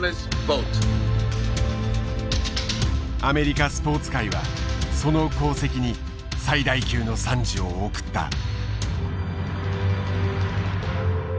アメリカスポーツ界はその功績に最大級の賛辞を贈った。